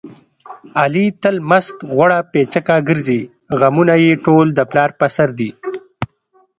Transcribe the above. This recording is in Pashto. علي تل مست غوړه پیچکه ګرځي. غمونه یې ټول د پلار په سر دي.